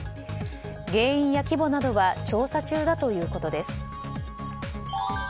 原因や規模などは調査中だということです。